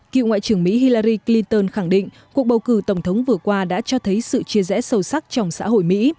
cựu ngoại trưởng mỹ hillary clinton khẳng định cuộc bầu cử tổng thống vừa qua đã cho thấy sự chia rẽ sâu sắc trong xã hội mỹ